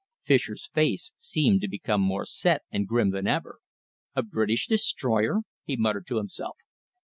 Fischer's face seemed to become more set and grim than ever. "A British destroyer," he muttered to himself.